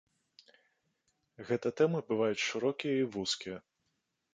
Гэта тэмы бываюць шырокія і вузкія.